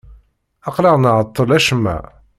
Aql-aɣ nɛeṭṭel acemma.